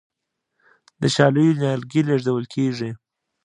د شالیو نیالګي لیږدول کیږي.